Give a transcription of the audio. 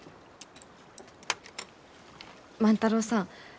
万太郎さん。